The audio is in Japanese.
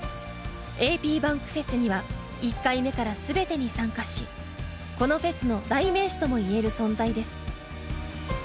ａｐｂａｎｋｆｅｓには１回目から全てに参加しこのフェスの代名詞ともいえる存在です。